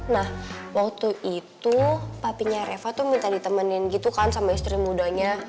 nah waktu itu papinya reva tuh minta ditemenin gitu kan sama istri mudanya